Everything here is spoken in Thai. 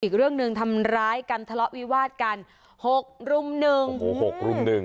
อีกเรื่องหนึ่งทำร้ายกันทะเลาะวิวาดกันหกรุมหนึ่งหกหกรุมหนึ่ง